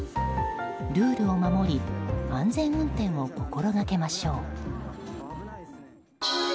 ルールを守り安全運転を心がけましょう。